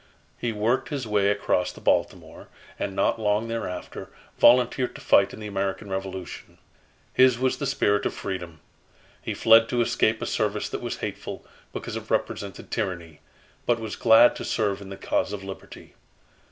He worked his way across to Baltimore, and not long thereafter volunteered to fight in the American Revolution. His was the spirit of freedom. He fled to escape a service that was hateful, because it represented tyranny; but was glad to serve in the cause of liberty.